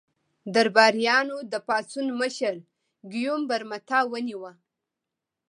درباریانو د پاڅون مشر ګیوم برمته ونیو.